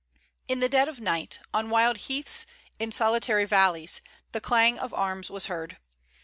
"In the dead of night, on wild heaths, in solitary valleys, the clang of arms was heard.